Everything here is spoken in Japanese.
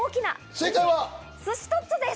正解は、すしトッツォです。